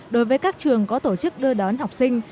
đối với các trường có tổ chức đưa đón học sinh